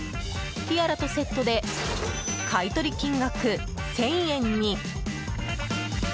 ティアラとセットで買い取り金額１０００円に！